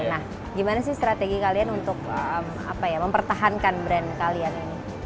nah gimana sih strategi kalian untuk mempertahankan brand kalian ini